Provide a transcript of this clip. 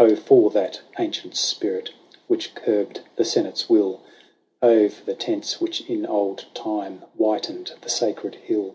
Oh for that ancient spirit which curbed the Senate's will ! Oh for the tents which in old time whitened the Sacred Hill